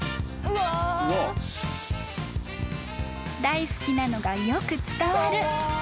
［大好きなのがよく伝わる］